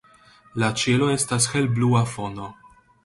La ĉielo estas helblua fono.